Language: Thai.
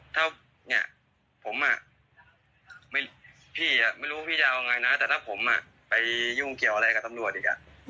ถ้าเนี่ยผมพี่ไม่รู้พี่จะเอาไงนะแต่ถ้าผมไปยุ่งเกี่ยวอะไรกับตำรวจอีก